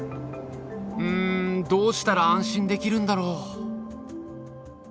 うんどうしたら安心できるんだろう。